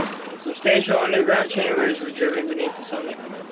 Substantial underground chambers were driven beneath the summit.